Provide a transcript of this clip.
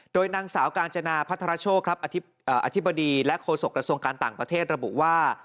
โดยนางสาวกาญจนาพัทรโชคครับอธิบดีและโฆษกระทรวงการต่างประเทศระบุว่า